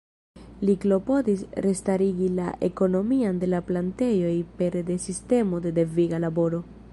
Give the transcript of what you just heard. Li klopodis restarigi la ekonomion de la plantejoj pere de sistemo de deviga laboro.